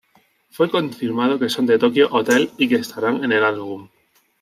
Fue confirmado que son de Tokio Hotel y que estarán en el álbum.